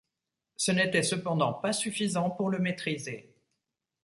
Ce n'était cependant pas suffisant pour le maîtriser.